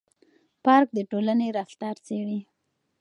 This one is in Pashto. پارک د ټولنې رفتار څېړي.